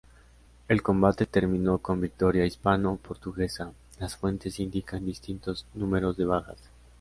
El combate terminó con victoria hispano-portuguesa; las fuentes indican distintos números de bajas.